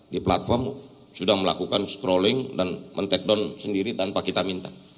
di platform sudah melakukan scrolling dan men take down sendiri tanpa kita minta